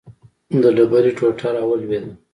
د ډبرې ټوټه راولوېده.